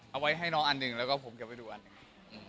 เอาไว้ให้น้องอันหนึ่งแล้วก็ผมเก็บไว้ดูอันหนึ่ง